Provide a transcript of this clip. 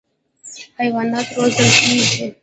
حیوانات روزل کېږي.